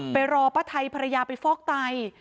รอป้าไทยภรรยาไปฟอกไต